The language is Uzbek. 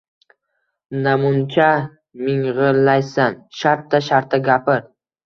Namuncha ming‘illaysan, shartta-shartta gapir!